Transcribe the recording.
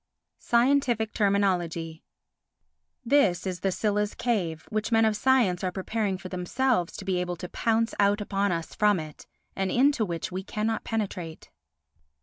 Scientific Terminology This is the Scylla's cave which men of science are preparing for themselves to be able to pounce out upon us from it, and into which we cannot penetrate.